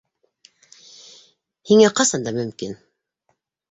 Һиңә ҡасан да мөмкин.